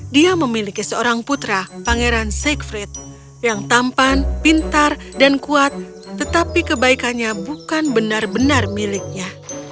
dia memiliki seorang putra pangeran siegfrid yang tampan pintar dan kuat tetapi kebaikannya bukan benar benar miliknya